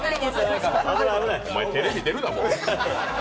お前、テレビ、出るな。